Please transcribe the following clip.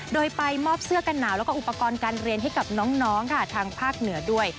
โดยไปมอบเสื้อกันหนาวแล้วก็อุปกรณ์การเรียนให้กับน้องค่ะทางภาคเหนือด้วย